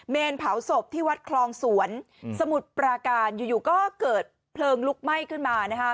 เผาศพที่วัดคลองสวนสมุทรปราการอยู่ก็เกิดเพลิงลุกไหม้ขึ้นมานะคะ